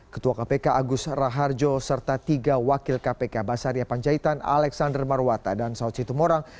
ketua kpk agus raharjo serta tiga wakil kpk basaria panjaitan alexander marwata dan saud situmorang